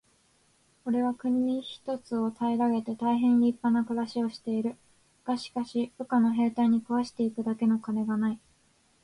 「おれは国一つを平げて大へん立派な暮しをしている。がしかし、部下の兵隊に食わして行くだけの金がない。」